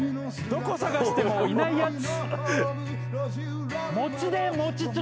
どこ探してもいないやつ。